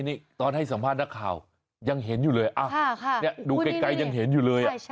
นี่ตอนให้สัมภาษณ์นักข่าวยังเห็นอยู่เลยดูไกลยังเห็นอยู่เลย